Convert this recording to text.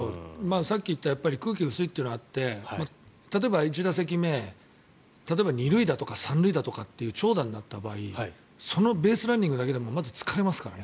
さっき言った空気が薄いというのがあって例えば１打席目例えば２塁打とか３塁打とかって長打になった場合そのベースランニングだけでもまず疲れますからね。